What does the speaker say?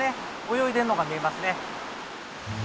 泳いでんのが見えますね。